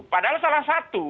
padahal salah satu